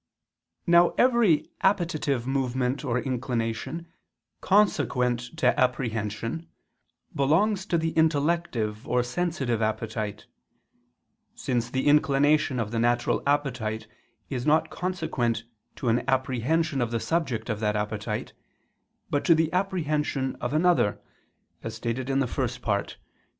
Now every appetitive movement or inclination consequent to apprehension, belongs to the intellective or sensitive appetite: since the inclination of the natural appetite is not consequent to an apprehension of the subject of that appetite, but to the apprehension of another, as stated in the First Part (Q.